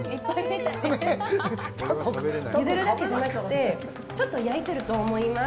ゆでるだけじゃなくて、ちょっと焼いてると思います。